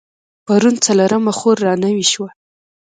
پرون څلرمه خور رانوې شوه.